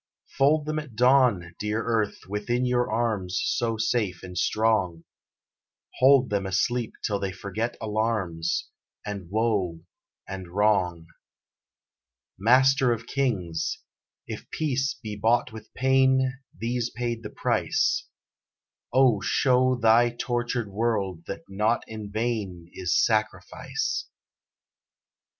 Fold them at dawn, dear earth, within your arms So safe and strong: Hold them asleep till they forget alarms, And woe and wrong. Master of Kings! If peace be bought with pain These paid the price; O show Thy tortured world that not in vain Is sacrifice!